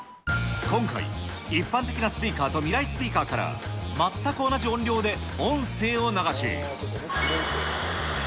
今回、一般的なスピーカーとミライスピーカーから、全く同じ音量で音声を流し。